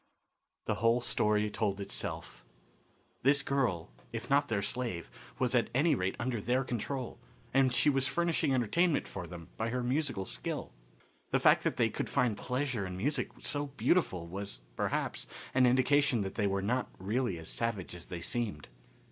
The whole story told itself. This girl, if not their slave, was at any rate under their control, and she was furnishing entertainment for them by her musical skill. The fact that they could find pleasure in music so beautiful was, perhaps, an indication that they were not really as savage as they seemed.